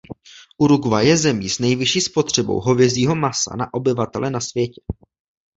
Uruguay je zemí s nejvyšší spotřebou hovězího masa na obyvatele na světě.